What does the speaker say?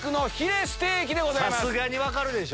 さすがに分かるでしょ。